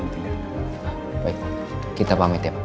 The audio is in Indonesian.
baik kita pamit ya pak